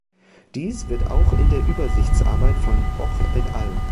Dies wird auch in der Übersichtsarbeit von Hoch et al.